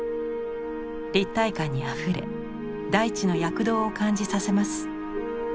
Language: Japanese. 立体感にあふれ大地の躍動を感じさせます。